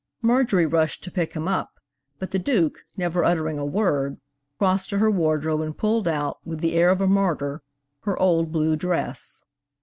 Marjorie rushed to pick him up, but the Duke, never uttering a word, crossed to her wardrobe and pulled out, with the air of a martyr, her old blue dress.